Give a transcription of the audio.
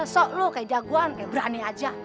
so lo kayak jagoan kayak berani aja